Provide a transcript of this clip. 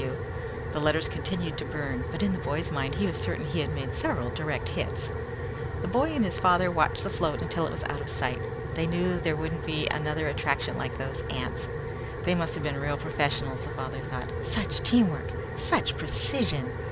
F.W. The letters continued to burn, but in the boy's mind he was certain he had made several direct hits. The boy and his father watched the float until it was out of sight. They knew there wouldn't be another attraction like those ants. They must have been real professionals, the father thought. Such teamwork! Such precision!